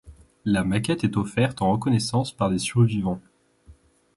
La maquette est offerte en reconnaissance par des survivants.